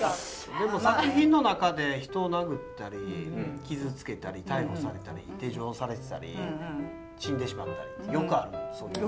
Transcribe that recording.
でも作品の中で人を殴ったり傷つけたり逮捕されたり手錠されてたり死んでしまったりってよくあるんですそういう。